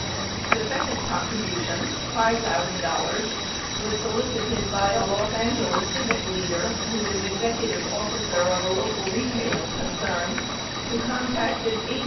The second contribution, $5,000, was solicited by a Los Angeles civic leader who is the executive officer of a local retailing concern, who contacted H.